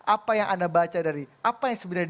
apa yang anda baca dari apa yang sebenarnya